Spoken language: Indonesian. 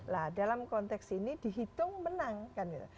nah dalam konteks ini dihitung menang kan gitu